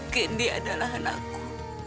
kendi adalah anakku